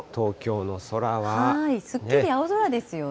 すっきり青空ですよね。